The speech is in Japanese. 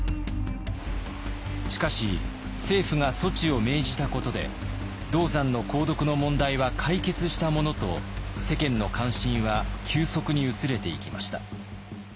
しかし政府が措置を命じたことで銅山の鉱毒の問題は解決したものと世間の関心は急速に薄れていきました。